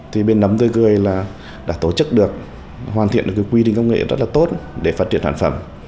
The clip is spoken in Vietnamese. thì bên nấm tươi cười là đã tổ chức được hoàn thiện được cái quy trình công nghệ rất là tốt để phát triển sản phẩm